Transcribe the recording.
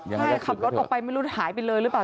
ใช่ขับรถออกไปไม่รู้หายไปเลยหรือเปล่า